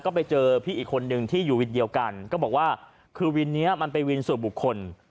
ก็ไปเจอพี่อีกคนนึงที่อยู่วินเดียวกันก็บอกว่าคือวินนี้มันเป็นวินส่วนบุคคล